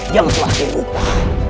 yang telah diubah